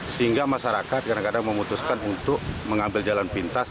sehingga masyarakat kadang kadang memutuskan untuk mengambil jalan pintas